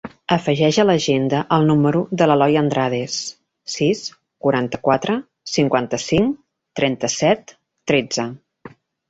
Afegeix a l'agenda el número de l'Eloy Andrades: sis, quaranta-quatre, cinquanta-cinc, trenta-set, tretze.